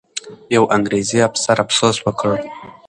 یو انګریزي افسر افسوس وکړ.